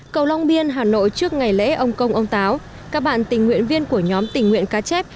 cầu long biên hà nội trước ngày lễ ông công ông táo các bạn tình nguyện viên của nhóm tình nguyện cá chép